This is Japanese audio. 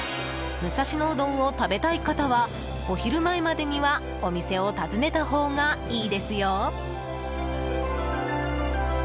武蔵野うどんを食べたい方はお昼前までにはお店を訪ねたほうがいいですよ。